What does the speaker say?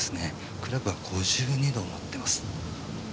クラブは５２を持っています。